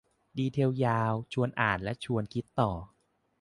ดีเทลยาว ชวนอ่านและชวนคิดต่อที่